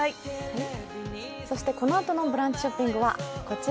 このあとの「ブランチショッピング」はこちら。